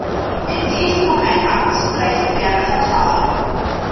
In diesem Moment abzubrechen, wäre fatal.